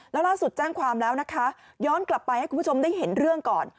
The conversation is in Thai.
แล้วล่าสุดแจ้งความแล้วนะคะย้อนกลับไปให้คุณผู้ชมได้เห็นเรื่องก่อน